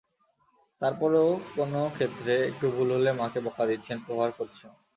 তারপরও কোনো ক্ষেত্রে একটু ভুল হলে মাকে বকা দিচ্ছেন, প্রহার করছেন।